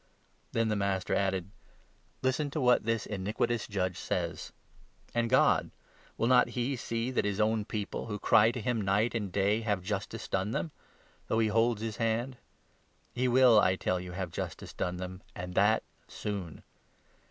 " Then the Master added : 6 " Listen to what this iniquitous judge says ! And God — will 7 not he see that his own People, who cry to him night and day, have justice done them — though he holds his hand ? He 8 will, I tell you, have justice done them, and that soon